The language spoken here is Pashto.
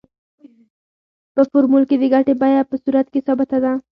په فورمول کې د ګټې بیه په صورت کې ثابته ده